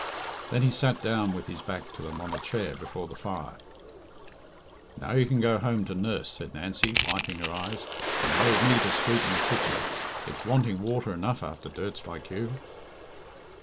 Then he sat down with his back to them on a chair before the fire. "Now you can go home to nurse," said Nancy, wiping her eyes, "and lave me to sweeten the kitchen it's wanting water enough after dirts like you."